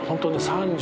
３０